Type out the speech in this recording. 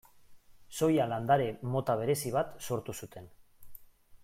Soja landare mota berezi bat sortu zuten.